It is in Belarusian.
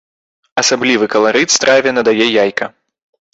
Асаблівы каларыт страве надае яйка.